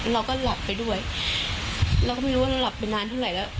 เราก็หลับไปด้วยเราก็ไม่รู้ว่าเราหลับไปนานเท่าไหร่แล้ว